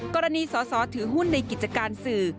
กรณีสอสอถือหุ้นในกิจการสื่อ